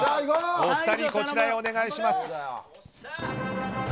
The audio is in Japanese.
お二人、こちらへお願いします。